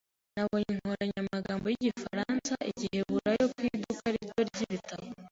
Nabonye inkoranyamagambo y'Igifaransa-Igiheburayo ku iduka rito ry'ibitabo.